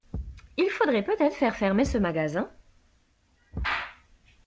Il faudrait peut-être faire fermer ce magasin.